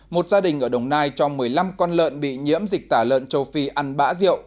một gia đình ở đồng nai cho một mươi năm con lợn bị nhiễm dịch tả lợn châu phi ăn bã rượu